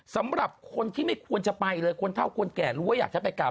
สำหรับคนที่ไม่ควรจะไปเลยคนเท่าคนแก่รู้ว่าอยากจะไปกราบ